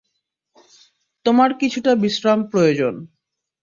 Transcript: তোমার কিছুটা বিশ্রাম প্রয়োজন।